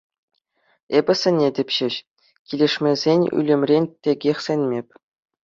Эпӗ сӗнетӗп ҫеҫ, килӗшмесен ӳлӗмрен текех сӗнмӗп.